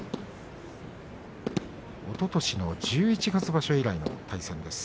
おととしの十一月場所以来の対戦です。